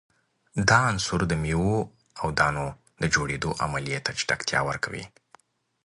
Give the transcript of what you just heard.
دا عنصر د میو او دانو د جوړیدو عملیې ته چټکتیا ورکوي.